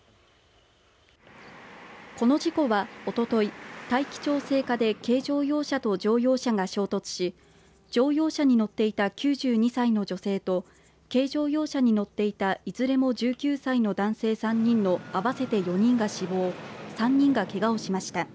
この事故はおととい大樹町生花で軽乗用車と乗用車が衝突し乗用車に乗っていた９２歳の女性と軽乗用車に乗っていたいずれも１９歳の男性３人の合わせて４人が死亡３人がけがをしました。